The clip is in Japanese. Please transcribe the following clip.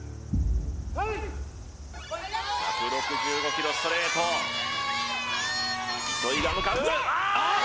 プレイ１６５キロストレート糸井が向かうあっ！